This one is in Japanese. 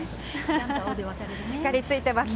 しっかりついてますね。